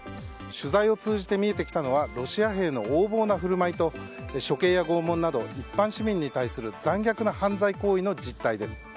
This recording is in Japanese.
取材を通じて見えてきたのはロシア兵の横暴な振る舞いと処刑や拷問など一般市民に対する残虐な犯罪行為の実態です。